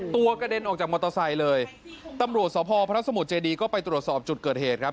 กระเด็นออกจากมอเตอร์ไซค์เลยตำรวจสพพระสมุทรเจดีก็ไปตรวจสอบจุดเกิดเหตุครับ